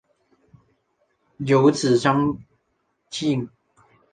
有子张缙。